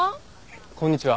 こんにちは。